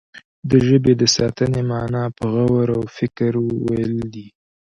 د ژبې د ساتنې معنا په غور او فکر ويل دي.